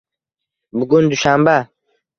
Bugun dushanba.